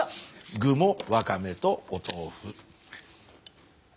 具もわかめとお豆腐。